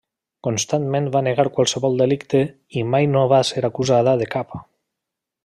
Constantment va negar qualsevol delicte i mai no va ser acusada de cap.